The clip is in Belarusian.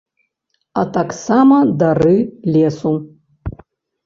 А таксама дары лесу.